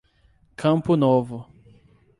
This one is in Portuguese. Campo Novo